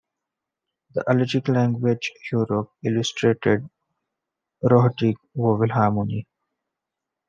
The Algic language Yurok illustrated rhotic vowel harmony.